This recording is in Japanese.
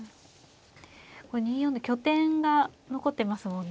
これ２四の拠点が残ってますもんね。